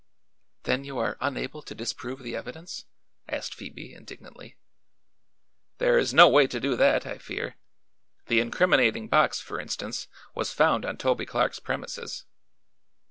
"Then you are unable to disprove the evidence?" asked Phoebe indignantly. "There is no way to do that, I fear. The incriminating box, for instance, was found on Toby Clark's premises."